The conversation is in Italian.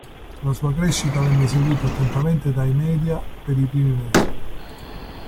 La sua crescita venne seguita attentamente dai media per i primi mesi.